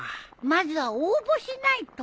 まずは応募しないと。